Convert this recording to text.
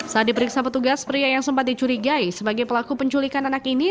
saat diperiksa petugas pria yang sempat dicurigai sebagai pelaku penculikan anak ini